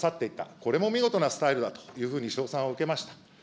これも見事なスタイルだというふうに称賛を受けました。